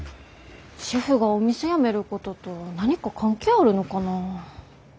シェフがお店辞めることと何か関係あるのかな？